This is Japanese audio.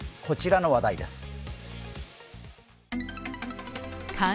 こちらの話題です。